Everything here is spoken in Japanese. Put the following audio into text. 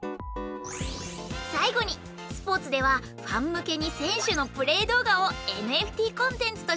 最後にスポーツではファン向けに選手のプレー動画をＮＦＴコンテンツとして販売！